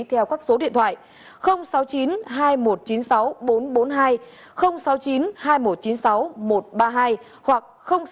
theo các số điện thoại sáu mươi chín hai nghìn một trăm chín mươi sáu bốn trăm bốn mươi hai sáu mươi chín hai nghìn một trăm chín mươi sáu một trăm ba mươi hai hoặc sáu mươi chín hai nghìn một trăm chín mươi sáu bảy trăm ba mươi một